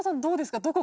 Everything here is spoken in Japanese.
どうですか？